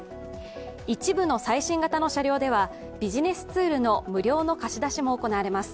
一部の最新型の車両ではビジネスツールの無料の貸し出しも行われます。